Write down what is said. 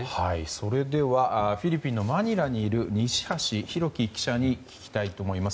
それではフィリピンのマニラにいる西橋拓輝記者に聞きたいと思います。